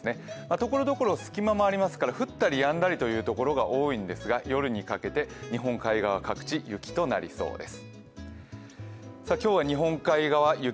ところどころ隙間もありますから降ったりやんだりというところが多いんですが夜にかけて日本海側各地雪となりそうです。